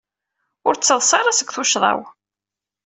Ur ttaḍsa ara seg tuccḍa-w.